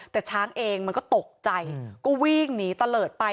แต่ช้างเองมันก็ตกใจก็วิ่งหนีตะเลิศไป